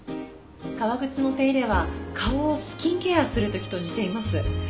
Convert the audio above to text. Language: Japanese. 革靴の手入れは顔をスキンケアする時と似ています。